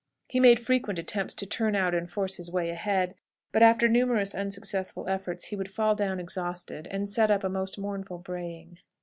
He made frequent attempts to turn out and force his way ahead, but after numerous unsuccessful efforts he would fall down exhausted, and set up a most mournful braying.